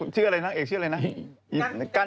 ชื่ออะไรนางเอกชื่ออะไรนะ